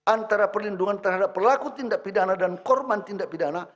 antara perlindungan terhadap pelaku tindak pidana dan korban tindak pidana